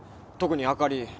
特にあかり。